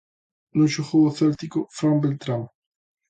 Non xogou o céltico Fran Beltrán.